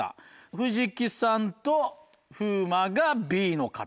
藤木さんと風磨がＢの方。